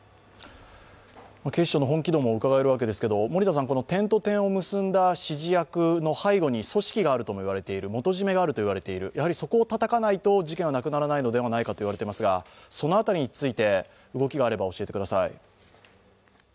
警視庁の本気度もうかがえるわけですけど、点と点を結んだ指示役の背後に組織があるといわれている元締めがあると言われている、そこをたたかないと事件はなくならないのではないかと言われていますが、その辺りについて動きがあれば教えてください。